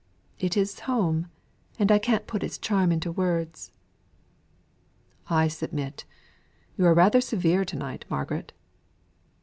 It is home, and I can't put its charm into words." "I submit. You are rather severe to night, Margaret."